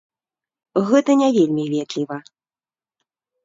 Гэта не вельмі ветліва.